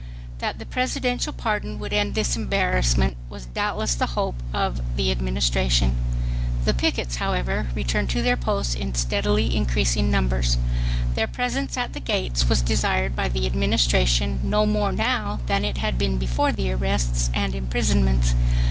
That the presidential pardon would end this embarrassment was doubtless the hope of the Administration. The pickets, however, returned to their posts in steadily increasing numbers. Their presence at the gates was desired by the Administration no more now than it had been before the arrests and imprisonments.